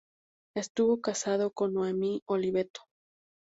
Estuvo casado con Noemí Oliveto.